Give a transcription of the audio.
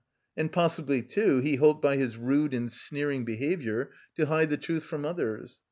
And possibly, too, he hoped by his rude and sneering behaviour to hide the truth from others.